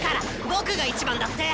僕が一番だって！